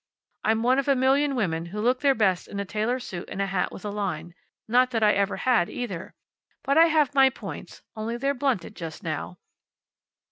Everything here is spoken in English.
I'm one of a million women who look their best in a tailor suit and a hat with a line. Not that I ever had either. But I have my points, only they're blunted just now."